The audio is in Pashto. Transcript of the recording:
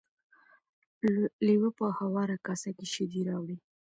لیوه په هواره کاسه کې شیدې راوړې.